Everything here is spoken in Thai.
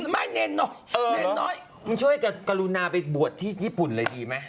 ไม่เนรเนอะเนรน้อยมึงช่วยกับกรุณาไปบวชที่ญี่ปุ่นเลยดีไหม